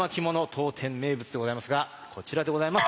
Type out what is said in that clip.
当店名物でございますがこちらでございます。